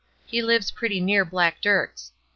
He lives pretty near Black Dirk's.